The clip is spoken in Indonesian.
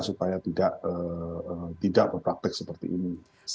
supaya tidak berpraktek seperti ini